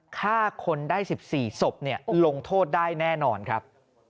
ฆ่าคนได้๑๔ศพลงโทษได้แน่นอนครับ